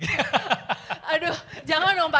aduh jangan dong pak